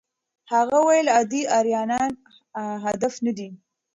هغه وویل عادي ایرانیان هدف نه دي.